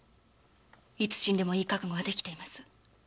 いつ死んでもいい覚悟はできています。